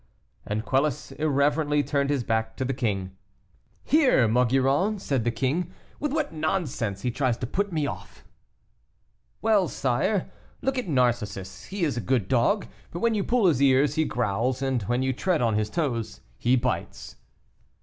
And Quelus irreverently turned his back to the king. "Hear, Maugiron," said the king, "with what nonsense he tries to put me off." "Well, sire, look at Narcissus; he is a good dog, but when you pull his ears, he growls, and when you tread on his toes he bites."